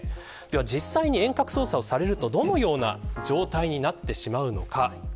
実際に遠隔操作をされるとどのような状態になってしまうのか。